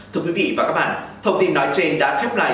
thưa quý vị và các bạn thông tin nói trên đã khép lại